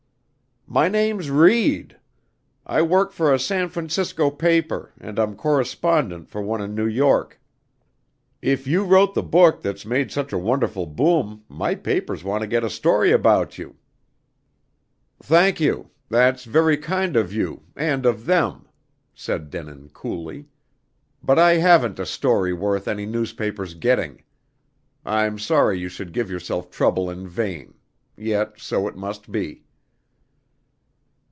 "My name's Reid. I work for a San Francisco paper, and I'm correspondent for one in New York. If you wrote the book that's made such a wonderful boom, my papers want to get a story about you." "Thank you. That's very kind of you and of them," said Denin coolly. "But I haven't a 'story' worth any newspaper's getting. I'm sorry you should give yourself trouble in vain. Yet so it must be."